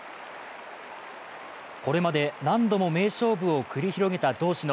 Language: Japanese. これまで何度も名勝負を繰り広げた同志の